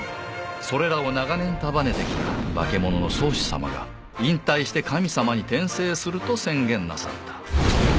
それらを長年束ねて来たバケモノの宗師様が引退して神様に転生すると宣言なさった。